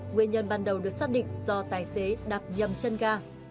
nguyên nhân ban đầu được xác định do tài xế đạp nhầm chân ga